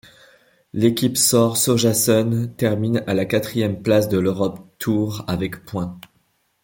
L'équipe Saur-Sojasun termine à la quatrième place de l'Europe Tour avec points.